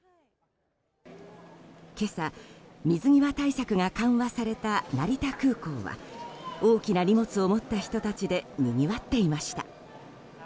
今朝、水際対策が緩和された成田空港は大きな荷物を持った人たちでにぎわっていました。